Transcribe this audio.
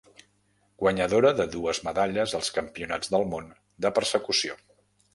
Guanyadora de dues medalles als Campionats del món de Persecució.